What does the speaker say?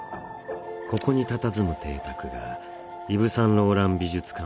ここにたたずむ邸宅がイヴ・サンローラン美術館